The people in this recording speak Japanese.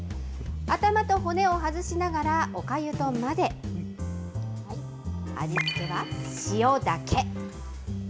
頭と骨を外しながら、おかゆと混ぜ、味付けは塩だけ。